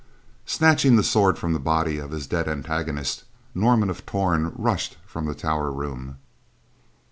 Snatching the sword from the body of his dead antagonist, Norman of Torn rushed from the tower room.